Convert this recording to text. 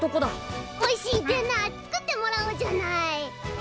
おいしいデナー作ってもらおうじゃない。